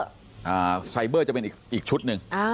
อ่าไซเบอร์จะเป็นอีกอีกชุดหนึ่งอ่า